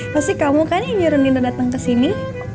pasti kamu kan yang juru nino dateng kesini